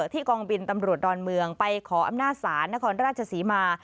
กองบินตำรวจดอนเมืองไปขออำนาจศาลนครราชศรีมา